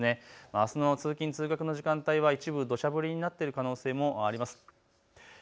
あすの通勤通学の時間帯は一部どしゃ降りになってくる可能性もあります。